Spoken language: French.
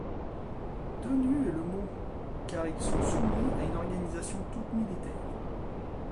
Tenue est le mot ; car ils sont soumis à une organisation toute militaire.